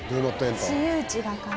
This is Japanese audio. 私有地だから。